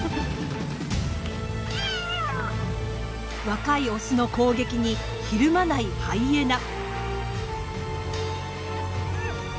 若いオスの攻撃にひるまないハイエナ。